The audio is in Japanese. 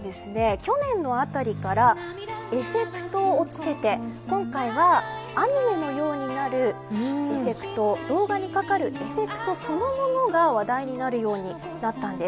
去年のあたりからエフェクトを付けて今回はアニメのようになるエフェクト、動画にかかるエフェクトそのものが話題になるようになったんです。